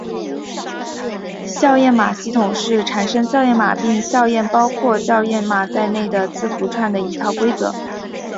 校验码系统是产生校验码并校验包括校验码在内的字符串的一套规则。